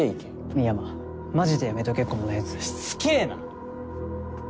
美山マジでやめとけこんなヤツしつけぇな！